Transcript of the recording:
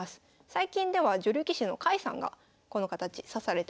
最近では女流棋士の甲斐さんがこの形指されてました。